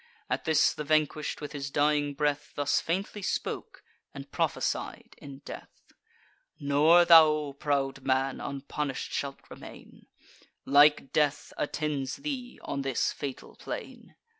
At this the vanquish'd, with his dying breath, Thus faintly spoke, and prophesied in death: "Nor thou, proud man, unpunish'd shalt remain: Like death attends thee on this fatal plain."